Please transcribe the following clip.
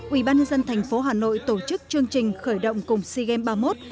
ubnd thành phố hà nội tổ chức chương trình khởi động cùng sea games ba mươi một